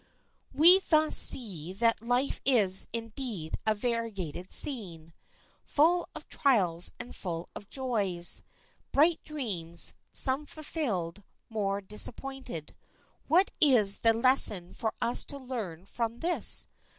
We thus see that life is, indeed, a variegated scene, full of trials and full of joys—bright dreams, some fulfilled, more disappointed. What is the lesson for us to learn from this?